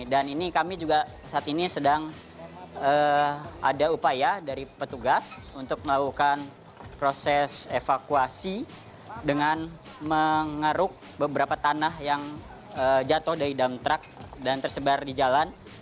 dan ini kami juga saat ini sedang ada upaya dari petugas untuk melakukan proses evakuasi dengan mengaruk beberapa tanah yang jatuh dari damter dan tersebar di jalan